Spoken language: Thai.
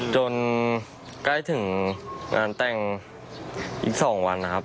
จนใกล้ถึงงานแต่งอีกสองวัน